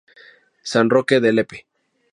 San Roque de Lepe.